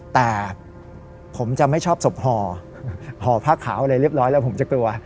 แต่ผมจะไม่ชอบศพห่อห่อผ้าขาวอะไรเรียบร้อยแล้วผมจะกลัว